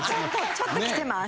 ちょっときてます。